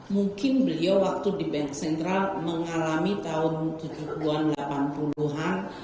mungkin beliau waktu di bank sentral mengalami tahun tujuh puluh an delapan puluh an